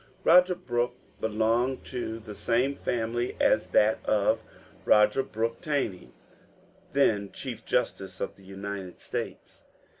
Roger Brooke belonged to the same family as that of Roger Brooke Taney, then chief justice of the United States.